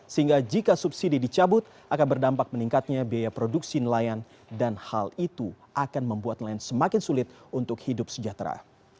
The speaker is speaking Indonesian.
sehingga jika subsidi dicabut akan berdampak meningkatnya biaya produksi nelayan dan hal itu akan membuat nelayan semakin sulit untuk hidup sejahtera